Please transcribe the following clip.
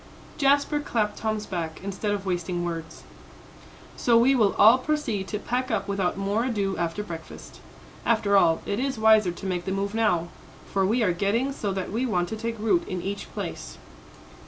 Jasper clapped Tom's back, instead of wasting words. "So we will all proceed to pack up without more ado after breakfast. After all, it is wiser to make the move now, for we are getting so that we want to take root in each place."